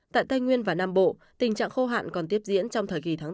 tại tây nguyên và nam bộ tình trạng khô hạn còn tiếp diễn trong thời kỳ tháng bốn